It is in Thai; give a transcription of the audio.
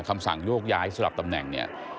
คำสั่งโยกย้ายสลับตำแหน่งเนี่ย